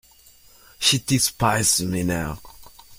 She despises me now.